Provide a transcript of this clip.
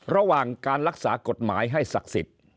ระหว่างการรักษากฎหมายให้ศักดิ์สิทธิ์